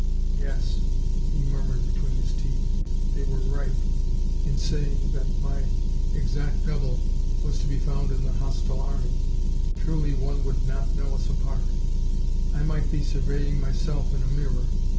"Yes," he murmured between his teeth, "they were right in saying that my exact double was to be found in the hostile army .... Truly one would not know us apart! ... I might be surveying myself in a mirror.